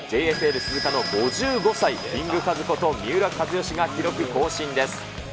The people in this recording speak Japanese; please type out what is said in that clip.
ＪＦＬ・鈴鹿の５５歳、キングカズこと、三浦知良が記録更新です。